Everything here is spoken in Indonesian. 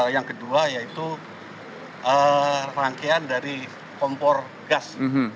yang kedua yaitu rangkaian dari kompor gas